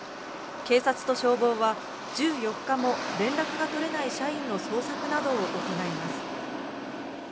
警察と消防は１４日も連絡が取れない社員の捜索などを行います。